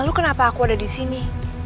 lalu kenapa aku ada disini